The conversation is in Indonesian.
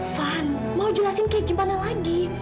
van mau jelasin kayak gimana lagi